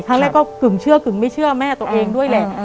ครั้งแรกก็กึ่งเชื่อกึ่งไม่เชื่อแม่ตัวเองด้วยแหละ